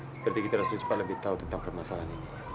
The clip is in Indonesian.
seperti kita harus cepat lebih tahu tentang permasalahan ini